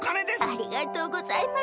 ありがとうございます。